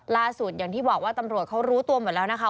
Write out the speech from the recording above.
อย่างที่บอกว่าตำรวจเขารู้ตัวหมดแล้วนะคะ